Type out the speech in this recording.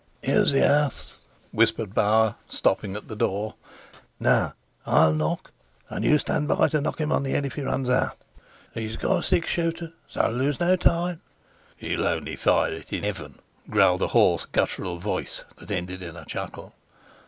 "Here's the house," whispered Bauer, stopping at the door. "Now, I'll knock, and you stand by to knock him on the head if he runs out. He's got a six shooter, so lose no time." "He'll only fire it in heaven," growled a hoarse, guttural voice that ended in a chuckle.